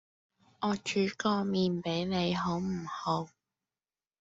我煮個麵俾你好唔好？